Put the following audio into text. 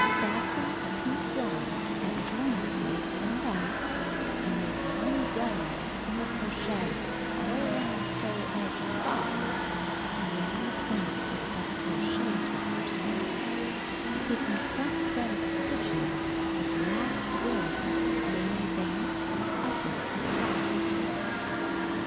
Fasten pink yarn at joining place in back, and make 1 row of single crochet all around sole edge of sock (along the place where the double crochets were first made), taking front thread of stitches of last rib made in vamp, or upper, of sock.